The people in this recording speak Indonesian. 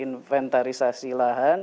direktur inventarisasi lahan